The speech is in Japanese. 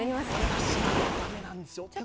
私、あれ駄目なんですよ。